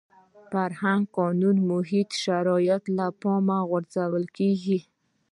فرهنګ، قانون او محیطي شرایط له پامه غورځول کېږي.